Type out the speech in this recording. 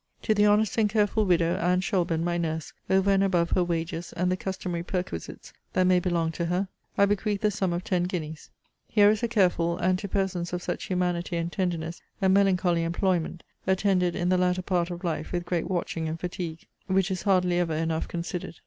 To the honest and careful widow, Anne Shelburne, my nurse, over and above her wages, and the customary perquisites that may belong to her, I bequeath the sum of ten guineas. Here is a careful, and (to persons of such humanity and tenderness) a melancholy employment, attended in the latter part of life with great watching and fatigue, which is hardly ever enough considered.